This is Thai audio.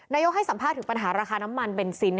ให้สัมภาษณ์ถึงปัญหาราคาน้ำมันเบนซิน